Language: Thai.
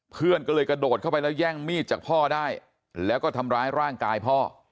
เพื่อนก็เลยกระโดดเข้าไปแล้วแย่งมีดจากพ่อได้แล้วก็ทำร้ายร่างกายพ่อ